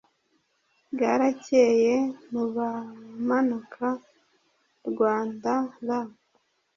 Bwarakeye nu bamanuka Rwandara